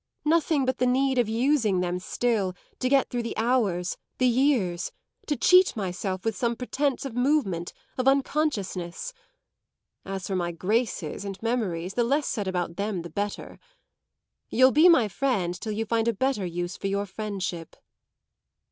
Nothing but the need of using them still, to get through the hours, the years, to cheat myself with some pretence of movement, of unconsciousness. As for my graces and memories the less said about them the better. You'll be my friend till you find a better use for your friendship."